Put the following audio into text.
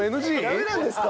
ダメなんですか？